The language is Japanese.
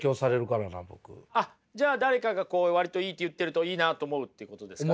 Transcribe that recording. あっじゃあ誰かがこう割といいと言ってるといいなと思うってことですかね。